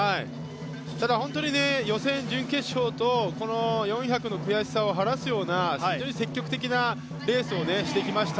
ただ本当に予選、準決勝と４００の悔しさを晴らすような非常に積極的なレースをしてきました。